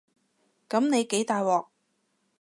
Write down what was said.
噉你幾大鑊